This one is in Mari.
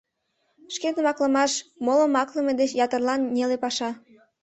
Шкендым аклымаш молым аклыме деч ятырлан неле паша.